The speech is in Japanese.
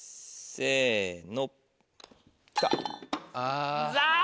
せの。